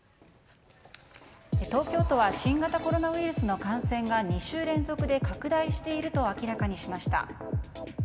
東京都は新型コロナウイルスの感染が２週連続で拡大していると明らかにしました。